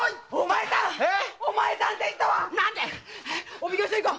お奉行所へ行こう！